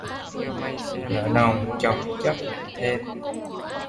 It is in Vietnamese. Nợ nần chồng chất nặng thêm